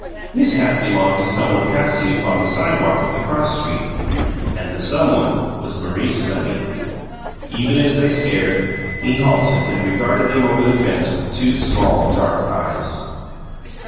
This hat belonged to someone passing upon the sidewalk of the cross street; and the someone was Maurice Levy. Even as they stared, he halted and regarded them over the fence with two small, dark eyes.